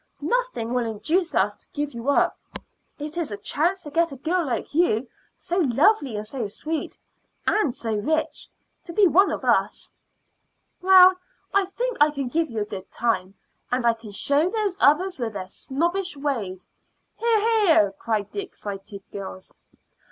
Nothing will induce us to give you up. It is a chance to get a girl like you, so lovely and so sweet and so rich, to be one of us." "Well, I think I can give you a good time, and I can show those others with their snobbish ways " "Hear, hear!" cried the excited girls.